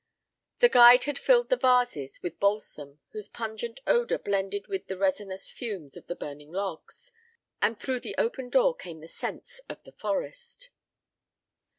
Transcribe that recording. The guide had filled the vases with balsam, whose pungent odor blended with the resinous fumes of the burning logs; and through the open door came the scents of the forest.